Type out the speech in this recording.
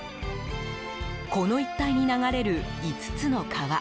この一帯に流れる５つの川。